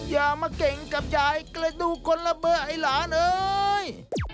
อย่ามาเก่งกับยายกระดูกคนละเบอร์ไอ้หลานเอ้ย